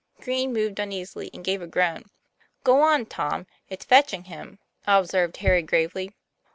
Green moved uneasily, and gave a groan. "Go on, Tom, it's fetching him," observed Harry gravely.